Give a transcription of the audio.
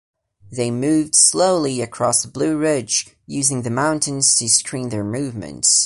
They moved slowly across the Blue Ridge, using the mountains to screen their movements.